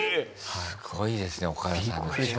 すごいですね岡田さんの力が。